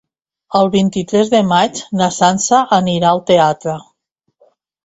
El vint-i-tres de maig na Sança anirà al teatre.